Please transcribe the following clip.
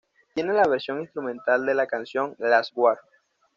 Tiene la versión instrumentaL de la canción ""Glass War"".